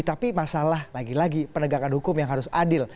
tapi masalah lagi lagi penegakan hukum yang harus adil